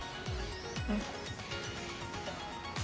うん。